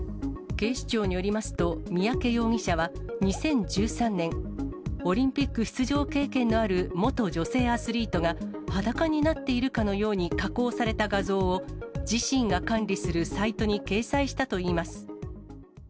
警視庁によりますと、三宅容疑者は２０１３年、オリンピック出場経験のある元女性アスリートが、裸になっているかのように加工された画像を、自身が管理するサイトに掲載したといいます。